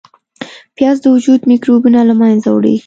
پیاز د وجود میکروبونه له منځه وړي